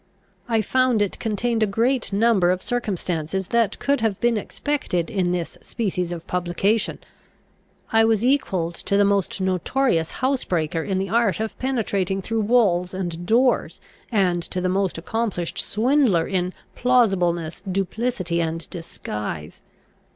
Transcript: I found it contain a greater number of circumstances than could have been expected in this species of publication, I was equalled to the most notorious housebreaker in the art of penetrating through walls and doors, and to the most accomplished swindler in plausibleness, duplicity, and disguise.